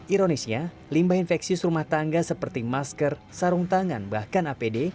ironisnya limbah infeksius rumah tangga seperti masker sarung tangan bahkan apd